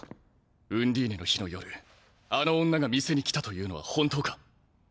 ウンディーネの日の夜あの女が店に来たというのは本当か？